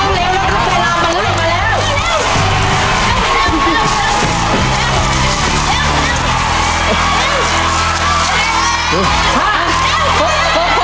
เร็ว